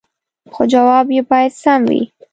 خو جواب يې باید سم وي